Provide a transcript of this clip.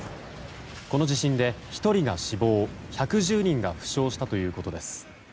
この地震で１人が死亡１１０人が負傷したということです。